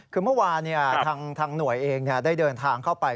คือเมื่อวานทางหน่วยเองได้เดินทางเข้าไป